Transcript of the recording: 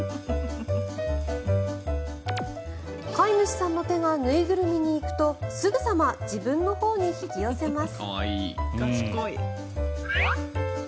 飼い主さんの手が縫いぐるみに行くとすぐさま自分のほうに引き寄せます。